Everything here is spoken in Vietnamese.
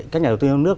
các nhà đầu tư nước